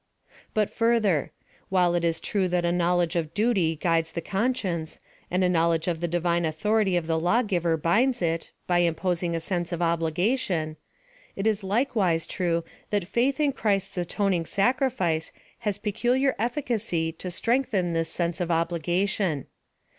But further— While it is true that a knowledge of duty guides the conscience, and a knowledge of the divine authority of the lawgiver binds it, by im posing a sense of obligation ; it is likewise true thai faith in Christ's atoning sacrifice has peculiar efficacy to strengthen this sense of obligation.